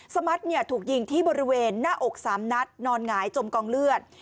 สมัติถูกยิงที่บริเวณหน้าอก๓นัดนอนหงายจมกองเลือด